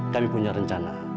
kami punya rencana